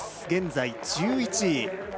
現在１１位。